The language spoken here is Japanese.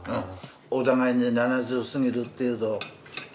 お互いに７０過ぎるっていうと。